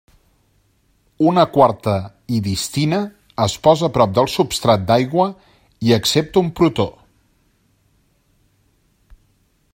Una quarta histidina es posa prop del substrat d'aigua i accepta un protó.